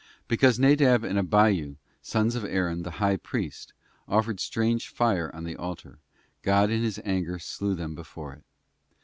't Because Nadab and Abiu, sons of Aaron the high priest, offered strange fire on the altar, God in His anger slew them before it.